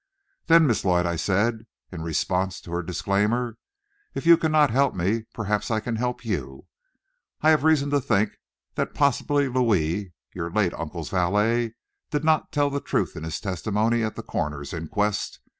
"Then, Miss Lloyd," I said, in response to her disclaimer, "if you cannot help me, perhaps I can help you. I have reason to think that possibly Louis, your late uncle's valet, did not tell the truth in his testimony at the coroner's inquest.